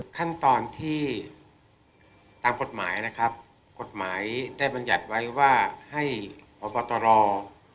ขั้นตอนที่ตามกฎหมายนะครับกฎหมายได้บรรยัติไว้ว่าให้พบตร